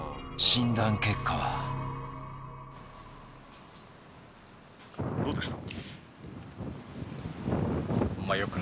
診断結果はどうでした？